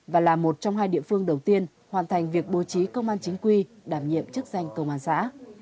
và là một trong hai địa phương đầu tiên hoàn thành việc bố trí công an chính quy đảm nhiệm chức danh công an xã